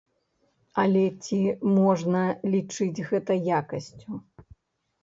Але ці можна лічыць гэта якасцю.